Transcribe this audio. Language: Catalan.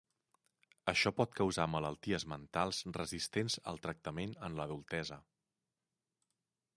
Això pot causar malalties mentals resistents al tractament en l'adultesa.